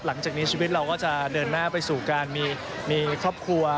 หลังจากนี้ชีวิตเราก็จะเดินหน้าไปสู่การมีครอบครัว